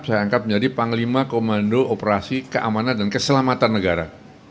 saya angkat menjadi panglima komando operasi keamanan dan keselamatan negara